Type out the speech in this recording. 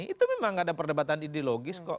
itu memang gak ada perdebatan ideologis kok